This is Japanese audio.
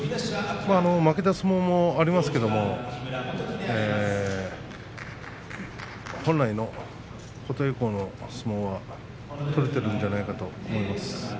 まあ負けた相撲もありますけれども本来の琴恵光の相撲は取れてるんじゃないかと思います。